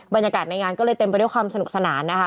บรรยากาศในงานก็เลยเต็มไปด้วยความสนุกสนานนะคะ